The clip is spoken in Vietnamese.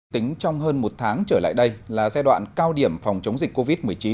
tính trong hơn một tháng trở lại đây là giai đoạn cao điểm phòng chống dịch covid một mươi chín